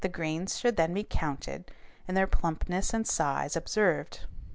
The grains should then be counted and their plumpness and size observed.